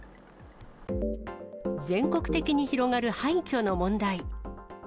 全国的に広がる廃虚の問題。